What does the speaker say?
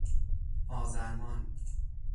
آذرمان